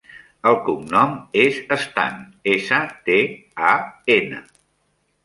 El cognom és Stan: essa, te, a, ena.